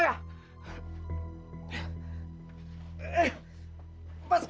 kalian mau mengancam saya